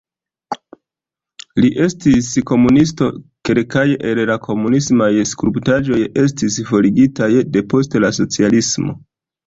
Li estis komunisto, kelkaj el la komunismaj skulptaĵoj estis forigitaj depost la socialismo.